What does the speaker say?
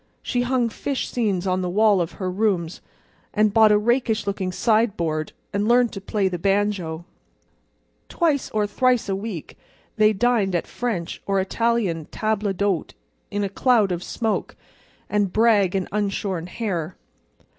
She hung fish seines on the walls of her rooms, and bought a rakish looking sideboard, and learned to play the banjo. Twice or thrice a week they dined at French or Italian tables d'hôte in a cloud of smoke, and brag and unshorn hair.